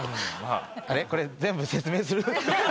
これ全部説明する？